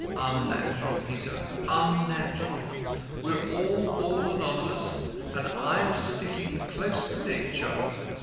"Unnatural, Peter; unnatural. We're all born anonymous, and I'm for sticking close to Nature.